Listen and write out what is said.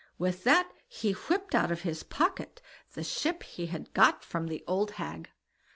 With that he whipped out of his pocket the ship he had got from the old hag.